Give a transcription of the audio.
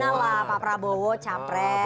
keputusan final lah pak prabowo capres